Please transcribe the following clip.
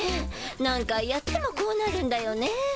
何回やってもこうなるんだよね。